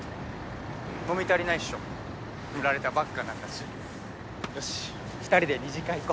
飲み足りないっしょ振られたばっかなんだしよし２人で２次会行